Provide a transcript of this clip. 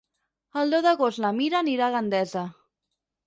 El deu d'agost na Mira anirà a Gandesa.